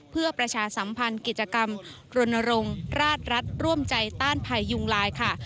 เพื่อประชาสัมพันธ์กิจกรรมรณรงค์ราชรัฐร่วมใจต้านภัยยุงลายค่ะ